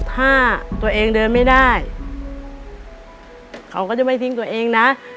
ถ้าตัวเองเดินไม่ได้เขาก็จะไม่ทิ้งตัวเองนะ